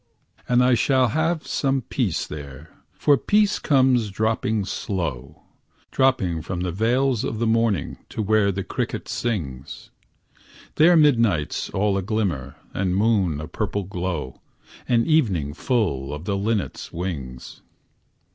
And I shall have some peace there, for peace comes dropping slow, Dropping from the veils of the morning to where the cricket sings; There midnight's all a glimmer, and noon a purple glow, And evening full of the linnet's wings.